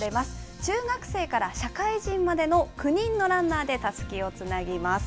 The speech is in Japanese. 中学生から社会人までの９人のランナーでたすきをつなぎます。